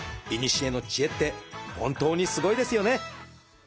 いにしえの知恵って本当にすごいですよね。